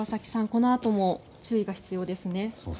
このあとも注意が必要ですね。